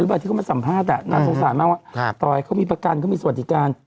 แล้วเขาที่เขามาสัมภาษณ์น่าสงสารมากว่าต่อก็มีประกันเขามีสวัสดิการ